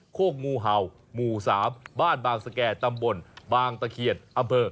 โคกงูเห่าหมู่๓บ้านบางสแก่ตำบลบางตะเคียนอำเภอ